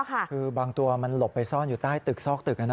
คือบางตัวมันหลบไปซ่อนอยู่ใต้ตึกซอกตึก